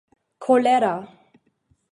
kolera